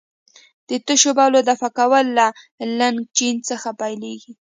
د تشو بولو دفع کول له لګنچې څخه پیلېږي.